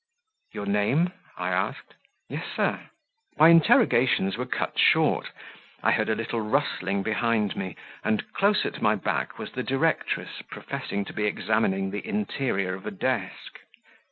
"Your name?" I asked "Yes, sir." My interrogations were cut short; I heard a little rustling behind me, and close at my back was the directress, professing to be examining the interior of a desk.